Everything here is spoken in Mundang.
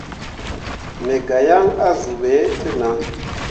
Me gah yaŋ azuu ɓe te nah.